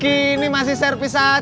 kalo nggak sampai tempatnya poupat